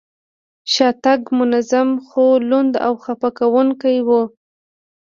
شاتګ منظم، خو لوند او خپه کوونکی و.